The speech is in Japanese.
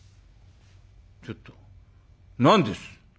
「ちょっと。何です？